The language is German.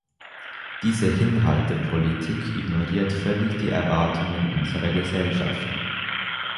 Diese Hinhaltepolitik ignoriert völlig die Erwartungen unserer Gesellschaften.